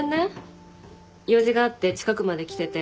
用事があって近くまで来てて。